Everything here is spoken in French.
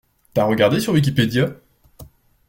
T'as regardé sur wikipedia?